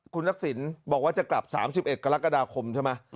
คุณทักษิณบอกว่าจะกลับ๓๑กรกฎาคมใช่ไหม